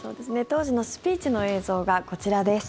当時のスピーチの映像がこちらです。